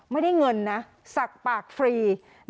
ไม่ได้เงินนะสักปากฟรี